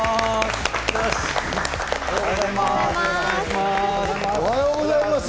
おはようございます。